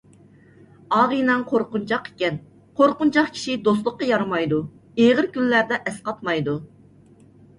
ئاغىنەڭ قورقۇنچاق ئىكەن، قورقۇنچاق كىشى دوستلۇققا يارىمايدۇ، ئېغىر كۈنلەردە ئەسقاتمايدۇ.